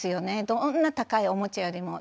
どんな高いおもちゃよりも。